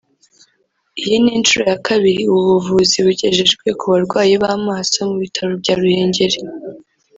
Iyi ni inshuro ya kabiri ubu buvuzi bugejejwe ku barwayi b’amaso mu Bitaro bya Ruhengeri